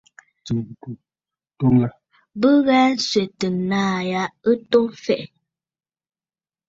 Bɨ ghɛɛ nswɛ̀tə naà ya ɨ to mfɛ̀ʼɛ̀.